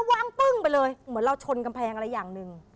ว่างปึ้งไปเลยเหมือนเราชนกำแพงอะไรอย่างหนึ่ง